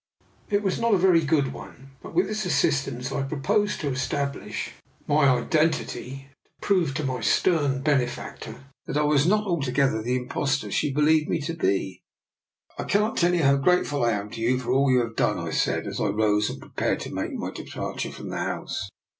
It was not a very good one, but with its assist ance I proposed to establish my identity and prove to my stern benefactor that I was not altogether the impostor she believed me to be. 32 DR. NIKOLA'S EXPERIMENT. " I cannot tell you how grateful I am to you for all you have done," I said, as I rose and prepared to take my departure from the house.